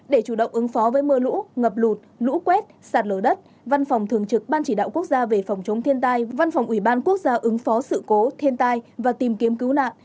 để chủ động ứng phó với mưa lũ ngập lụt lũ quét sạt lở đất văn phòng thường trực ban chỉ đạo quốc gia về phòng chống thiên tai văn phòng ủy ban quốc gia ứng phó sự cố thiên tai và tìm kiếm cứu nạn